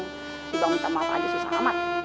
gak mau minta maaf aja susah amat